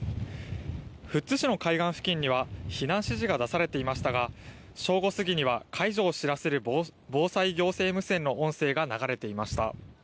富津市の海岸付近には避難指示が出されていましたが正午過ぎには解除を知らせる防災行政無線の音声が流れていました。